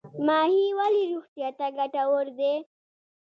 ماهي ولې روغتیا ته ګټور دی؟